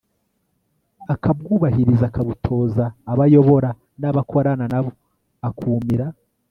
akabwubahiriza, akabutoza abo ayobora n'abo akorana na bo. akumira